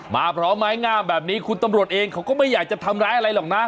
พร้อมไม้งามแบบนี้คุณตำรวจเองเขาก็ไม่อยากจะทำร้ายอะไรหรอกนะ